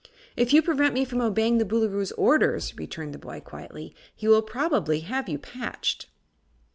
"If you prevent me from obeying the Boolooroo's orders," returned the boy, quietly, "he will probably have you patched."